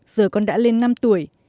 giờ con đã lên năm tuổi